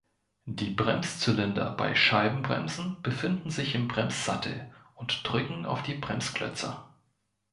Die Bremszylinder bei Scheibenbremsen befinden sich im Bremssattel und drücken auf die Bremsklötze.